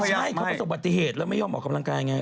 ใช่เขาประสบปฏิเหตุแล้วไม่ยอมออกกำลังกายไง